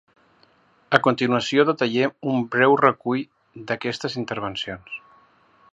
A continuació detallem un breu recull d'aquestes intervencions.